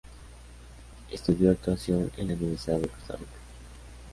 Estudió actuación en la Universidad de Costa Rica.